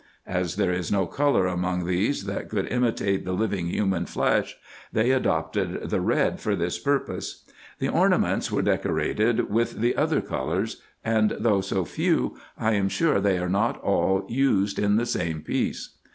As there is no colour among these that could imitate the living human flesh, they adopted the red for this purpose. The ornaments 176 RESEARCHES AND OPERATIONS were decorated with the other colours ; and, though so few, I am sure they are not all used in the same piece.